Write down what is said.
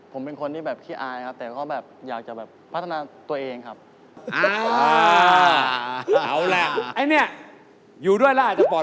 ผมเป็นคนที่แบบขี้อายครับแต่เขาแบบอยากจะแบบพัฒนาตัวเองครับ